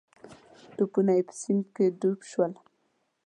توپونه یې په سیند کې ډوب شول.